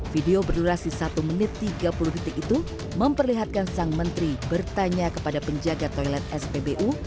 video berdurasi satu menit tiga puluh detik itu memperlihatkan sang menteri bertanya kepada penjaga toilet spbu